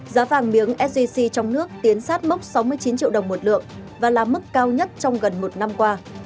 giá vàng miếng sgc trong nước tiến sát mốc sáu mươi chín triệu đồng một lượng và là mức cao nhất trong gần một năm qua